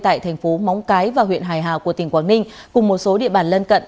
tại thành phố móng cái và huyện hải hà của tỉnh quảng ninh cùng một số địa bàn lân cận